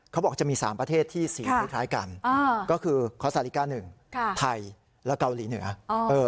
เขาบอกจะมี๓ประเทศที่สีคล้ายกันก็คือคอสซาลิกา๑ไทยและเกาหลีเหนือ